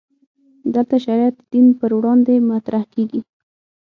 دلته شریعت د دین پر وړاندې مطرح کېږي.